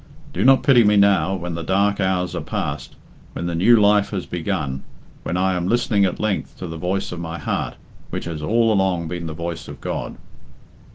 Do not pity me now, when the dark hours are passed, when the new life has begun, when I am listening at length to the voice of my heart, which has all along been the voice of God."